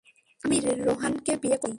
আমি রোহানকে বিয়ে করতে রাজী।